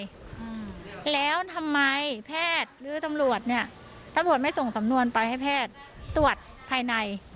อืมแล้วทำไมแพทย์หรือตำรวจเนี้ยตำรวจไม่ส่งสำนวนไปให้แพทย์ตรวจภายใน